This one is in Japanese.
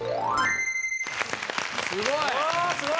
すごい！